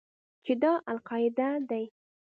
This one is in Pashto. چې دا القاعده دى.